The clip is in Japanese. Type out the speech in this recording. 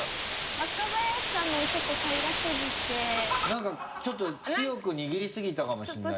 若林さんのもちょっと平らすぎて何かちょっと強く握りすぎたかもしれないですね。